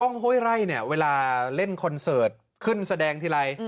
ห้วยไร่เนี่ยเวลาเล่นคอนเสิร์ตขึ้นแสดงทีไร